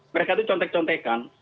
mereka itu contek contekan